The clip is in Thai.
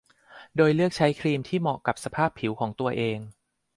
โดยเลือกใช้ครีมที่เหมาะกับสภาพผิวของตัวเอง